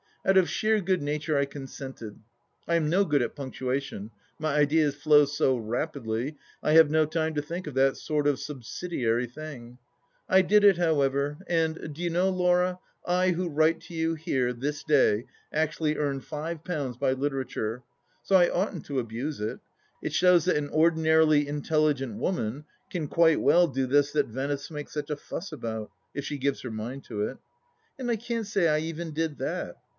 Out of sheer good nature I consented. I am no good at punctuation; my ideas flow so rapidly, I have no time to think of that sort of subsidiary thing. I did it however, and, do you know, Laura, I who write to you, here, this day, actually earned five pounds by literature, so I oughtn't to abuse it. It shows that an ordinarily intelligent woman can quite well do this that Venice makes such a fuss about, if she gives her mind to it. And I can't say I even did that.